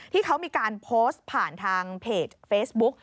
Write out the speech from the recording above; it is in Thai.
ที่เขามีการโพสต์ผ่านทางเพจเฟซบุ๊ก